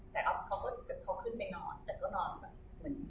แต่เขาขึ้นไปนอนแต่ก็นอนแบบ